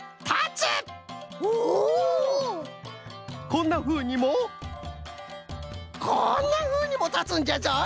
こんなふうにもこんなふうにもたつんじゃぞい！